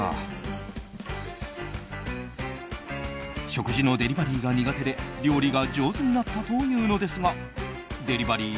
食事のデリバリーが苦手で料理が上手になったというのですがデリバリー